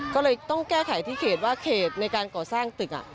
ก็เลยต้องแก้ไขที่เขตว่าเขตในการก่อสร้างตึก